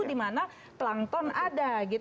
di mana pelangton ada